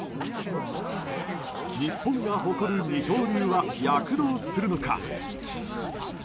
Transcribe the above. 日本が誇る二刀流は躍動するのか。